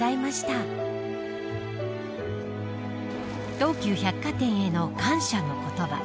東急百貨店への感謝の言葉。